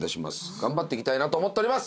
頑張っていきたいなと思っております。